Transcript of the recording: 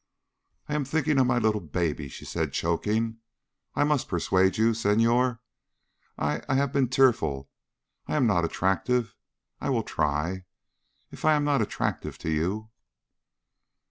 "I am thinking of my little baby," she said, choking. "I must persuade you, Senhor. I I have been tearful. I I am not attractive. I will try. If I am not attractive to you...."